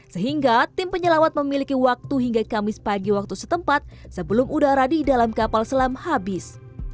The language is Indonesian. sehingga tim penyelamat memiliki waktu hingga kamis pagi waktu setempat sebelum udara di dalam kapal selam habis